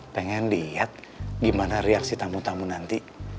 pengen lihat gimana reaksi tamu tamu nanti